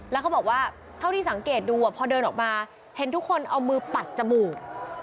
แล้วเขาบอกว่าเท่าที่สังเกตดูพอเดินออกมาเห็นทุกคนเอามือปัดจมูก